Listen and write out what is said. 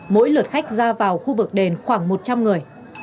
mỗi lượt khách ra vào khu vực đền khoảng một trăm linh người